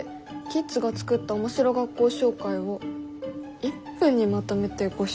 キッズが作った面白学校紹介を１分にまとめてご紹介」？